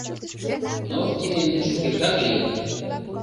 Но тиде ынде шукертак лийын.